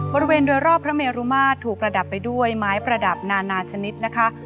บริเวณโดยรอบพระเมรุมาตรถูกประดับไปด้วยไม้ประดับนานาชนิดนะคะ